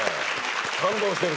感動してる。